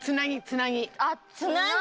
あつなぎ？